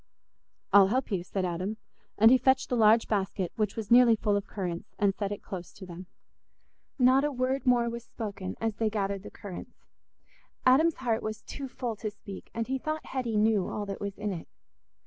"I'll help you," said Adam; and he fetched the large basket, which was nearly full of currants, and set it close to them. Not a word more was spoken as they gathered the currants. Adam's heart was too full to speak, and he thought Hetty knew all that was in it.